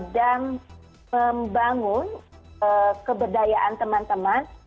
dan membangun keberdayaan teman teman